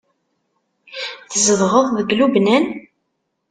Tzedɣeḍ deg Lubnan?